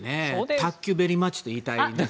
卓球ベリマッチと言いたいです。